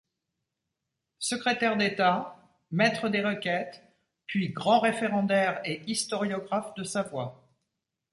Secrétaire d’État, Maitre des Requêtes puis grand Référendaire et historiographe de Savoie.